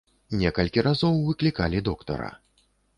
Некалькі разоў выклікалі доктара.